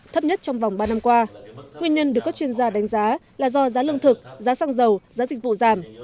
thấp nhất trong vòng ba năm qua nguyên nhân được các chuyên gia đánh giá là do giá lương thực giá xăng dầu giá dịch vụ giảm